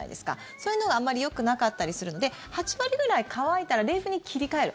そういうのがあまりよくなかったりするので８割くらい乾いたら冷風に切り替える。